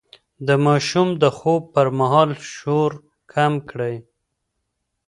د ماشوم د خوب پر مهال شور کم کړئ.